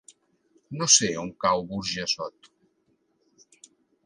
No sé on cau Burjassot.